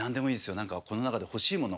何かこの中で欲しいもの。